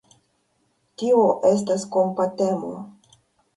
Tio estas kompatemo.